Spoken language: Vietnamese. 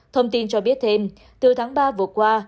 thông tin cho biết thêm từ tháng ba vừa qua